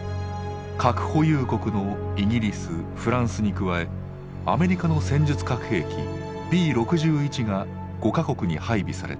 核保有国のイギリスフランスに加えアメリカの戦術核兵器Ｂ６１が５か国に配備されている。